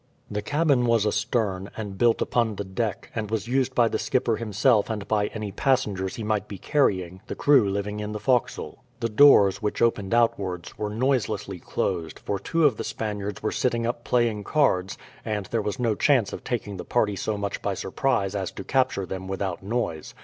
The cabin was astern, and built upon the deck, and was used by the skipper himself and by any passengers he might be carrying, the crew living in the forecastle. The doors, which opened outwards, were noiselessly closed, for two of the Spaniards were sitting up playing cards, and there was no chance of taking the party so much by surprise as to capture them without noise.